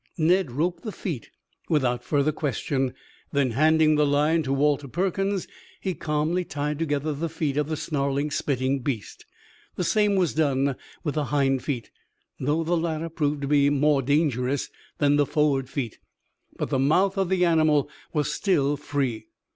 Ned roped the feet without further question, then handing the line to Walter Perkins, he calmly tied together the feet of the snarling, spitting beast. The same was done with the hind feet, though the latter proved to be much more dangerous than the forward feet. But the mouth of the animal was still free.